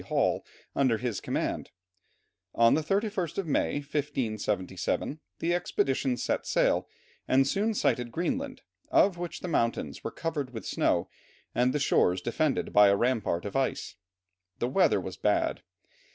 Hall, under his command. On the 31st of May, 1577, the expedition set sail, and soon sighted Greenland, of which the mountains were covered with snow, and the shores defended by a rampart of ice. The weather was bad.